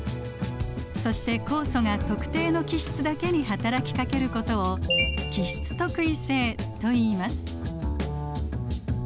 そして酵素が特定の基質だけにはたらきかけることを基質特異性といいます。